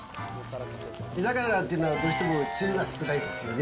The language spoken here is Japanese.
煮魚なんていうのは、どうしても、つゆが少ないですよね。